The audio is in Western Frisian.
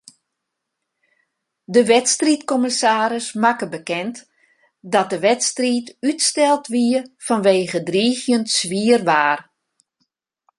De wedstriidkommissaris makke bekend dat de wedstriid útsteld wie fanwege driigjend swier waar.